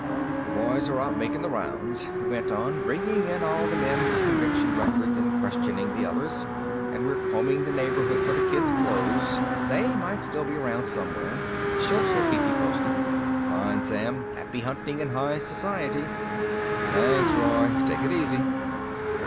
"The boys are out making the rounds," he went on, "bringing in all the men with conviction records and questioning the others. And we're combing the neighborhood for the kid's clothes. They might still be around somewhere. Shultz'll keep you posted." "Fine, Sam. Happy hunting in High Society." "Thanks, Roy. Take it easy."